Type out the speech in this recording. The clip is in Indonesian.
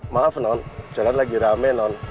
maaf non jalan lagi rame non